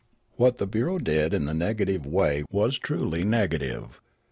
What the bureau did in the negative way was truly negative.